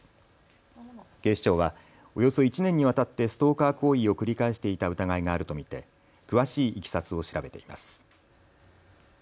警視庁はおよそ１年にわたってストーカー行為を繰り返していた疑いがあると見て詳しいいきさつを調べています。